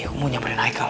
aku mau nyamperin haikal